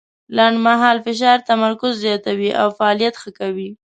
لنډمهاله فشار تمرکز زیاتوي او فعالیت ښه کوي.